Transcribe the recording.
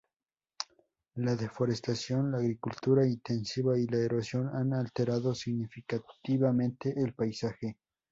La deforestación, la agricultura intensiva y la erosión han alterado significativamente el paisaje.